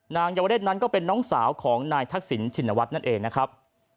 เยาวเรศนั้นก็เป็นน้องสาวของนายทักษิณชินวัฒน์นั่นเองนะครับ